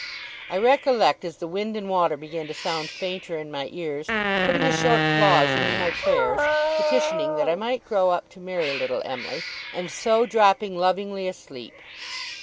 I recollect, as the wind and water began to sound fainter in my ears, putting a short clause into my prayers, petitioning that I might grow up to marry little Em'ly, and so dropping lovingly asleep.